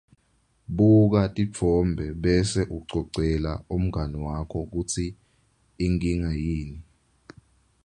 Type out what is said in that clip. Buka titfombe bese ucocela umngani wakho kutsi inkinga yini.